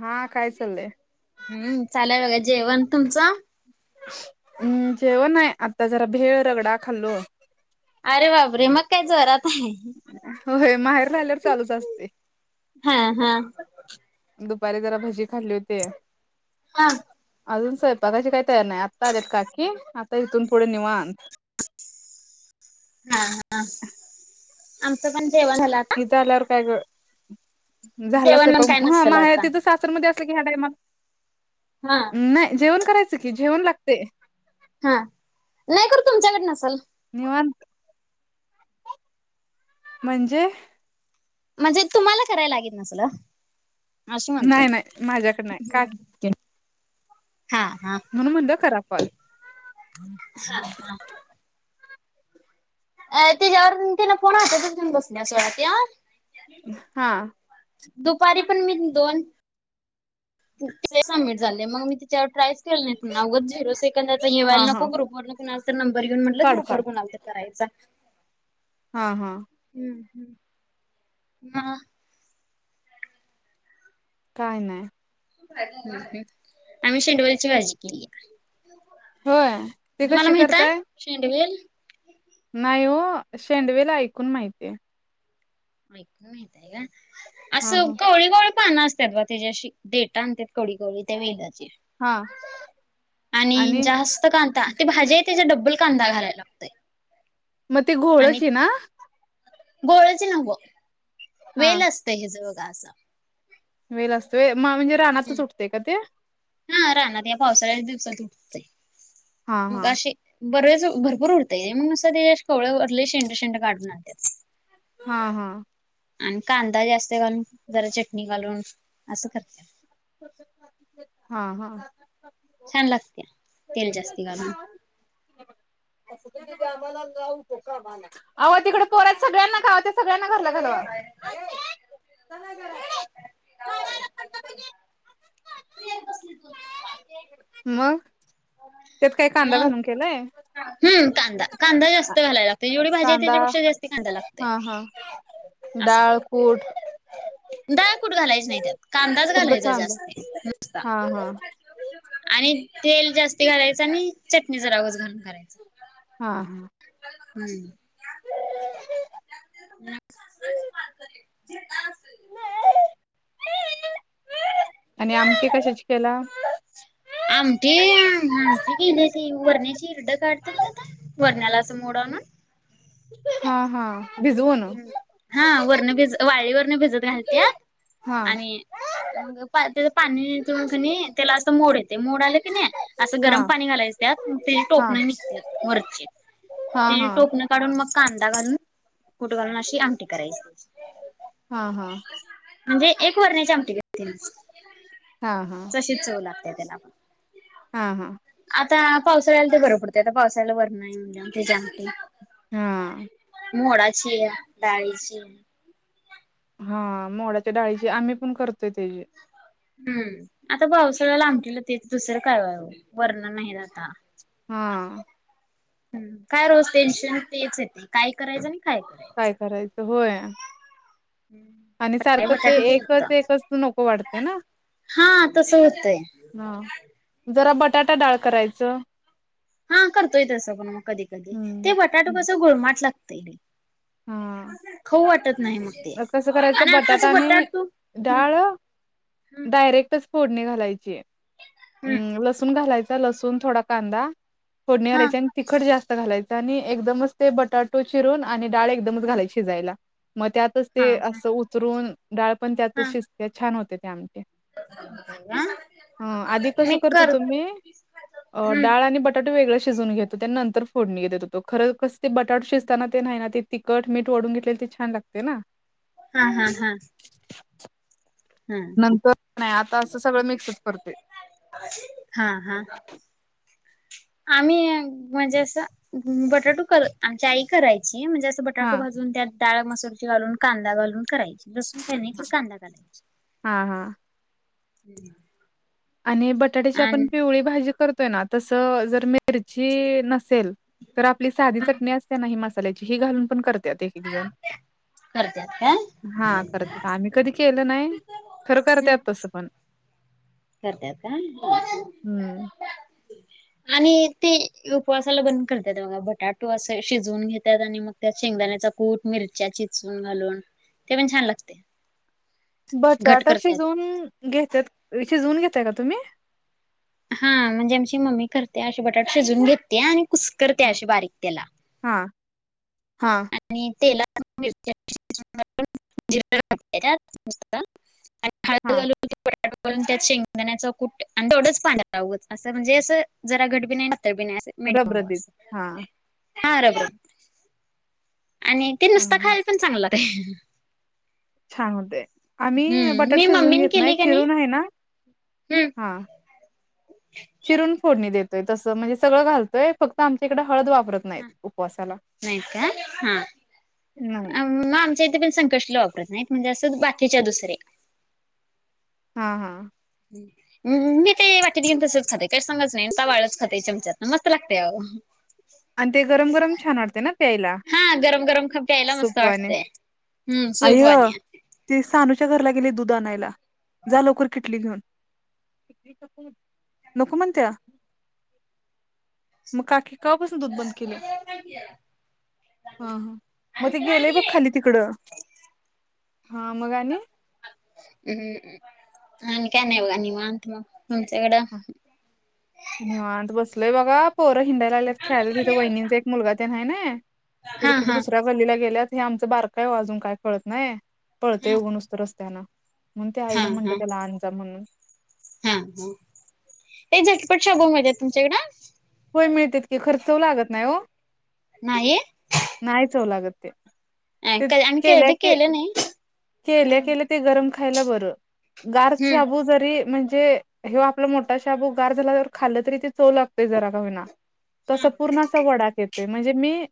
हा काय चाललंय? हम्म चालय बघा जेवण तुमचं? हम्म. जेवण नाही, आता जरा भेळ रगडा खाल्लो. अरे बापरे! मग काय जोरात आहे. होय माहेर राहिल्यावर चालूच असतय हा हा. दुपारी जरा भजी खाल्ली होती. हां.. अजून स्वायपाकाची काही तयार नाही, आत्ता आलेत काकी आता इथून पुढे निवांत. हा हा. आमचं पण जेवन झाल आ इथं आल्यावर काय ग झाला जेवण पण काय स्वयंपाक हा नसेल माहेर आता तिथं सासर. [unintelligible] असल की ह्या टाईमाला हा.. नाही जेवण करायचं की जेवण लागतय. हा नाही खर तुमच्याकड नसलं. निवांत म्हणजे? म्हणजे तुम्हाला करायला लागेत नसलं ओ अशी म्हणतोय नाही नाही, माझ्याकड नाही काक हा हा म्हणून म्हणलं करा कॉल. हा हा. अ.. तिच्यावरून तिन फोन हातातच घेऊन, बसल्या सोडा त्या. हा दुपारी पण मी दोन. ते सबमिट झाले मग मी तिच्यावर प्राईस. नाही त अग झिरो सेकंदाचा हे हा व्हायला हा नको, ग्रुपवर न कोणाचा तरी नंबर घेऊ म्हटलं काढ ग्रुप काढ वर कुणाला तर करायचा. हा हा.. हम्म हम्म ना. काय नाही आम्ही शेंडवेची भाजी केल्या. होय ते तुम्हाला कशी माहित आहे, करताय शेंडवे नाही हो, शेंडगे ऐकून माहितीय. ऐकून माहितेय का, हा असं हा कवळी कवळी. पान असतात बा तेची अशी, देठ आणतात कवळी कवळी त्या वेलाची. हा आणि जास्त कांदा ती भाजी आहे, त्याच्या डब्बल कांदा घालायला लागतोय. मग ते घोळची ना घोळची नव्हं हा वेल असतय हेच बघा असं. वेल असतोय म्हणजे रानातच हम्म. उठते का ते? हा राहणार या पावसाळ्यात दिवसातून. हा मग हा असे बरेच भरपूर उठते ये ते मग असं ते कवळ्या वरवरले शेंड शेंड काढून आणते. हा हा. आणि कांदा जास्त घालून जरा चटणी घालून असं करते. हा हा छान लागत्या, तेल जास्ती घालून. आलो तिकडे पोर आहेत सगळ्यांना कावा. सगळ्यांना घरला घाल [unintelligible] [unintelligible] मग त्यात काय कांदा घालून केलाय. हम कांदा कांदा जास्त घालायला लागत जेवढी भाजी आहे कांदा त्याच्यापेक्षा जास्त कांदा लागततय. हा हा डाळ कूट. डाळकुठ घालायच नाही त्यात, कांदाच फक्त घालायचा कांदा जास्ती नुसता. हा हा आणि तेल जास्त घालायचं, आणि चटणी जरा उगज घालून करायचं. हां हां. हम्म [unintelligible] आणि आमटी कशाची केला. आमटी आमटी केल्या ती वरण्याची इरड काढत नाही आता. वरण्याला असं मोड आणून हा हा. भिजवून. हम्म. हा वरण भिज, वाळी वरण भिजत घालत्यात. हा आणि, मग त्याच पाणी तु कणी, त्याला असं मोड येते मोड आले कणी. असं हा गरम पाणी घालायचं त्यात, तिची हा टोपणं निघतात वरची हा ते हा टोकणं. काढून मग कांदा घालून. कुट घालून अशी आमटी करायची. हा हा. म्हणजे एक वरण्याची आमटी [unintelligible] हा हा तशीच चव लागते, त्यालापण. हा हा. आता पावसाळ्याला ते बरं पडतंय आता, पावसाळ्याला वरण नाही म्हणजे त्याची आमटी. हा मोडाची डाळीची. हां. मोड्याच्या डाळीची आम्ही, पण करतोय तेची. हम्म आता पावसाळ्याला आमटीला ते दुसरं काय आहे वरणां नाही आता. हा हम. काय रोज टेन्शन तेच येते, काय करायचं आणि काय नाय. काय करायचं होय. आणि काय सारखं ते बटाटू केलत एकच, एकच नको वाटते ना. हा तसं होतंय हा.. जरा बटाटा डाळ करायचं. हा करतोय तसं पण मग कधी कधी, ते बटाटू कसं गुळमाट लागतंय लै. हां.. ते कसं करायचं आणि आताच बटाटा आणि बटाटू हम्म डाळ. डायरेक्टच फोडणी घालायची, हम्म लसून चालायचं. लसूण थोडा कांदा फोडणी हम्म हा घालायची आणि. तिखट जास्त घालायचं, आणि एकदमच ते बटाटू चिरून आणि डाळ एकदमच घालायची शिजायला. मग त्यातच हा ते हा असं, उतरून डाळ पण हा त्यातच शिजते छान होते ते आमटी. ह आधी कस मी करतो कर होतो मी अ हम्म डाळ आणि बटा बटाटू वेगळे शिजून घेतो, त्या नंतर फोडणी घेत होतो. खरं कस ते बटाटू शिजताना ते नाही ना ते, तिखट मीठ ओढून घेतलेलं, ते छान लागते ना. हा हा हा. हा नंतर नाही, आता असं सगळं मिक्सच करतोय. हा हा आम्ही म्हणजे, असं बटाटू कर आमची आई करायची म्हणजे असं. बटाटो हां, भाजून त्या डाळ मसूरची घालून, कांदा घालून करायची, लसून काय नाही, कांदा घालायची. हा हा. [unintelligible] आणि बटाट्याची आपण आणि पिवळी भाजी करतोय ना, तसं जर मिरची नसल तेल तर आपली साधी चटणी असते ना, ही मसाल्याची ही घालून पण करत्यात एक एक जण. करत्यात काय? हा करत आम्ही कधी केलं नाही, खरं करत्यात तसं पण. करत्यात काय, हं. आणि ते उपवासाला पण करतात बघा, बटाटू असं शिजवून घेतात, आणि मग त्या शेंगदाण्याचा. कूट मिरच्या चिचून घालून, ते पण छान लागते. घट बटाटा करत्यात शिजवून घेतात शिजवून घेताय का तुम्ही? हा म्हणजे आमची मम्मी करते अशी बटाटा शिजवून घेते आणि कुसकरते हां, अशी बारीक त्याला. हां हां. आणि तेलात [inaudible] ळ घ हां. [unintelligible] वरून त्याच शेंगदाण्याच कुठ आणि तेवढंच पांढरवत असं म्हणजे असं जरा घटबी नाही नाही. [unintelligible] मिडियम मऊ रबरबीत असत, हा. हा रबरबीत. आणि ते हा नुसता हा. खायला पण चांगलं लागतय. छान होते आम्ही बटाटा शिजवून मम्मीने घेत नाही केली आहे का चिरून आहे ना हम्म हां. चिरून फोडणी देतोय तसं म्हणजे सगळं घालतोय फक्त आमच्या इकडे हळद वापरत [unintelligible] नाहीत हा उपवासाला. नाही का हा. नाही. मग आमच्या इथे पण संकष्टी वापरत नाहीत म्हणजे असंच बाकीच्या दुसरे हा हा. हम्.. हम् मी ते वाटी घेन तसंच खात काही सांगत नाही त वाळच खातई चमचात ना मस्त लागतेय आवो. आणि ते गरम गरम छान वाटते ना प्यायला हा गरम गरम खूप, प्यायला मस्त सुपाने. वाटतय. हम्म सोखवाणी ते सानूच्या घरला गेले दूध आणायला जा लवकर किटली घेऊन. [unintelligible] नको म्हणत्या मग काकी क [unintelligible] दूध बंद केल्या. हा हा मग ते गेलेय बघ खाली तिकडं हां मग आणि, हम्मम.. आणि काय नाही बघा, निवांत मग तुमच्याकडं. आणि वात बसलोय बघा पोरं हिंडायला लागल्यात खेळाला तिथं वहिणींचे मुलगा ते हाय नाही तिथं हा कुठे हा दुसऱ्या गल्लीला गेल्यात, हे आमचं बारका आहे हो अजून काय कळत नाही. हा पळतंय ऊन नुसतं रस्त्याना म्हणून ते हा आईला म्हंटलं हा त्याला आणून जा म्हणून हा हा एक झटपट शाबू मिळतात तुमच्याकडं? होय मिळते की खर चव लागत नाही हो. नाही. नाही चव लागत ते ते आम्ही केल्या कधी के केलं नाही खरं केल्या केल्या ते गरम खायला बरं गार हम्म शाबू जरी म्हणजे हे आपला मोठा शाबु गार झाला तर खाल तरी ते चव लागतोय जरा का होना हा तसं पूर्ण त वडाप येतोय म्हणजे, मी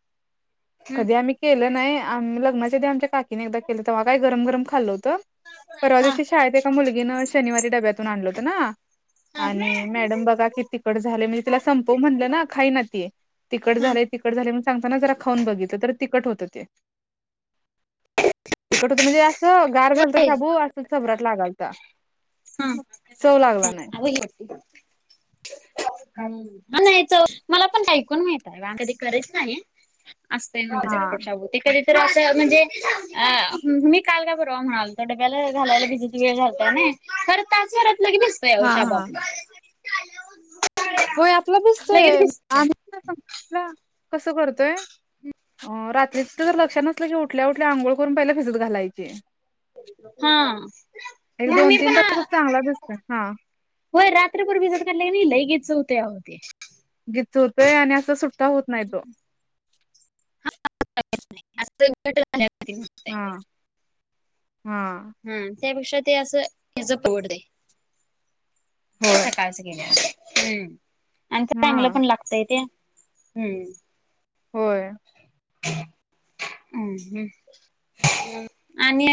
हम्म कधी आम्ही. केलं नाही आम लग्नांच्या ते आमच्या काकीने एकदा केलं तेव्हा काही गरम गरम खाल्लं होतं. परवा हा दिवशी शाळेत एका मुलगीनं शनिवारी डब्यातून आणलं होत ना. आणि मॅडम बघा की तिखट झाले म्हणजे, तिला संपव म्हटलं ना खाईना ती. तिखट झाले तिखट झाले मग चमच्यानं जरा खाऊन बघितलं तर तिखट होतं ते. तिखट होतं म्हणजे, तर गार हा झालत शाबू असं चबरात लागालता चव लागला नाही. [unintelligible] [inaudible] आणि याच्या मला पण ऐकून माहित आहे बाकी कधी करत नाही. असतय हा [unintelligible] ते कधी तर असं म्हणजे अ मी काल काक् म्हणाल डब्याला घालायला बिजत वेळ झालतय खर तासवरतलं लगे हा हा भिज [unintelligible] होय आपलं लगेच बसतोय भिजतोय आम्ही कसं करतोय अ रात्रीच जर लक्षात नसलं की उठल्या उठल्या आंघोळ करून पहिले फिसत घालायचे. हा एक मग दोन मी तीन पण तासात चांगला भिजतोय हा होय रात्रभर भिजत घातल कि नाही लयु गीच होतेय आवो. घिचवतोय आणि असं सुट्टा होत नाही तो. हा [unintelligible] हा हा त्यापेक्षा ते असं हेचं पोट दे होय. सकाळचे [unintelligible] हम्म आणि ते चांगलं हा पण लागतय ते हम्म. होय. हम् हम. आणि,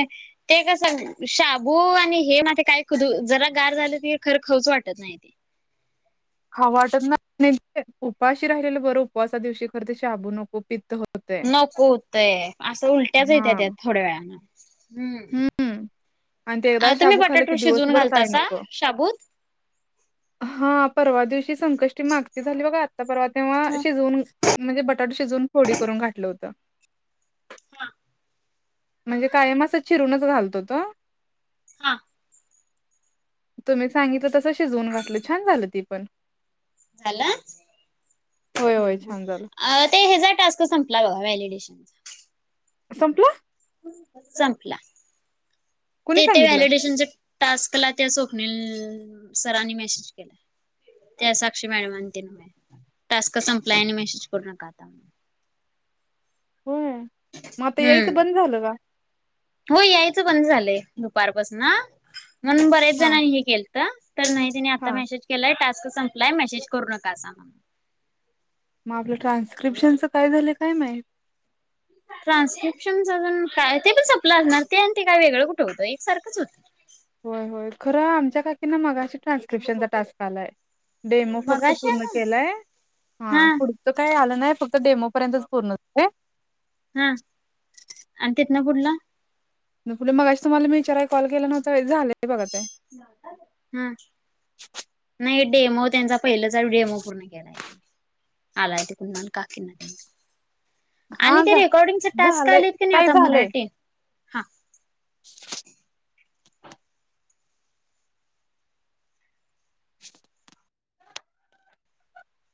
ते कस शाबू आणि हे मधे काय जरा गार झालं त खरं खऊच वाटत नाही. खावा वाटत ना उपाशी राहिलेलं बरं उपवासा दिवशी खर ते शाबू नको पित्त हो नको ते असं उलट्याच हा येत्या त्या थोड्या वेळान हम्म. हम्म आणि ते एकदा अ तुम्ही शाबू खाल्लं बटाटो की शिजून दिवसभर काही घालतासा नको शाबूत? हा परवा दिवशी संकष्टी मागती झाली बघा आत्ता परवा तेव्हा हा शिजवून म्हणजे, बटाटा शिजून फोडी करून घातलं होतं हा म्हणजे कायमासच चिरूनच घालतो त हा तुम्ही सांगितलं तसं शिजवून घातलं छान झालं ती पण. झालं. होय होय छान झालं ते हेचा टास्क सांग लावा व्हलिडेशनच. संपलं. संपला. कोणी ते ते सांगितलं? व्हॅलिडेशनच्या टास्कला त्या स्वप्निल सरांनी मेसेज. त्या साक्षी मॅडम त न टास्क संपला आणि मेसेज करू नका आता. [inaudible] होय मग आता यायचं हम्म बंद झालं का? हो यायचं पण झालंय दुपारपासून ह म्हणून बरेच हा जणांनी हे केल त. तर नाही तिने आता हा मेसेज केलाय टास्क संपलाय मेसेज करू नका असा. मग आपलं ट्रान्स्क्रिप्शनचं काय झालंय काय माहित. ट्रान्स्क्रिप्शन अजून काय ते पण सपलं असणार ते आणि ते का वेगळं कुठे होतं एक सारखंच होतं होय या होय खरं आमच्या काकीना मगाशी ट्रान्स्क्रिप्शनचा टास्क आलाय. डेमो फक्त मगाशी पूर्ण आला केलाय हा पुढ तो काही आलं नाही फक्त डेमो पर्यंतच पूर्ण झालंय. हा आणि तेथन पुढल पुढ मग अजशी तुम्हाला मी विचाराय कॉलं नव्हता झालंय बघा ते. हम्म नाही डेमो त्यांचा. पहिलंच डेमो पूर्ण केलाय आलाय ते कुंदन काकीन. आणि हा ते झा रेकॉर्डिंगचे टास्क झालंय आलेत, कणी ताई आता झालंय. मराठी. हा [inaudible]